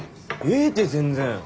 ええて全然。